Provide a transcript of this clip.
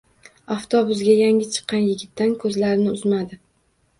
Avtobusga yangi chiqqan yigitdan ko’zlarini uzmadi.